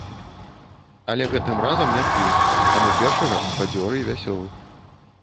Але гэтым разам не п'ю, таму першага бадзёры і вясёлы.